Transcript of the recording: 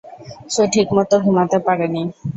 সে ঠিকমতো ঘুমাতে পারেনি।